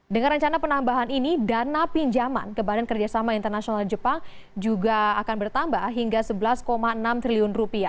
dengan rencana penambahan ini dana pinjaman ke badan kerjasama internasional jepang juga akan bertambah hingga rp sebelas enam triliun